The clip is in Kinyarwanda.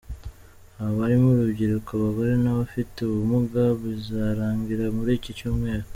Aba barimo urubyiruko, abagore n’abafite ubumuga bizarangira muri iki cyumweru.